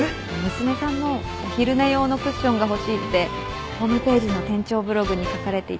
娘さんのお昼寝用のクッションが欲しいってホームページの店長ブログに書かれていたのを拝見しまして。